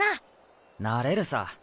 なれるさ。